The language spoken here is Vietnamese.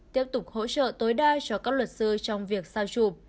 tiếp tục hỗ trợ tối đa cho các luật sư trong việc sao chùm